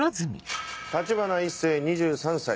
橘一星２３歳。